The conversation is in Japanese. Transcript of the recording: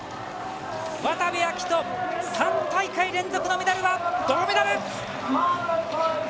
渡部暁斗、３大会連続のメダルは銅メダル！